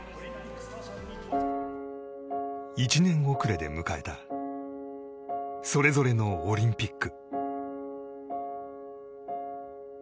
１年遅れで迎えたそれぞれのオリンピック。